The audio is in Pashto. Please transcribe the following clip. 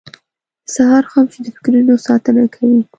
• د سهار خاموشي د فکرونو ساتنه کوي.